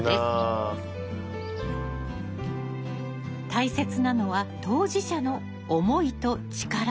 大切なのは当事者の思いと力。